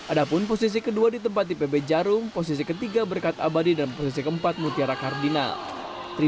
ada pun posisi kedua ditempati pb jarum posisi ketiga berkat abadi dan posisi keempat mutiara kardinal